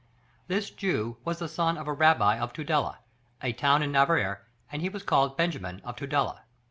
This Jew was the son of a rabbi of Tudela, a town in Navarre, and he was called Benjamin of Tudela.